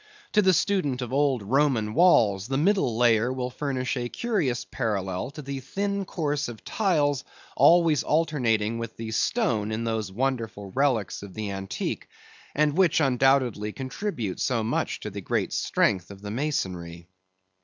To the student of old Roman walls, the middle layer will furnish a curious parallel to the thin course of tiles always alternating with the stone in those wonderful relics of the antique, and which undoubtedly contribute so much to the great strength of the masonry.